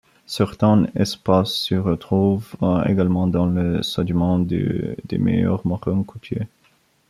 Certaines espèces se retrouvent également dans les sédiments des milieux marins côtiers.